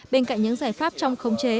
bên cạnh những giải pháp trong khống chế